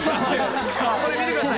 これ見てください。